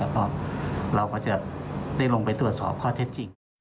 แล้วก็เราก็จะได้ลงไปตรวจสอบข้อเท็จจริง